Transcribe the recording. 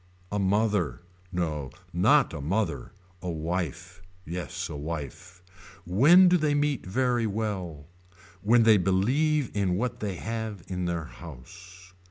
A mother. No not a mother A wife. Yes a wife. When do they meet very well. When they believe in what they have in their house.